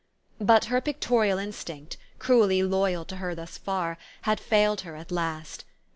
But her pictorial instinct, cruelly loyal to her thus far, had failed her at last.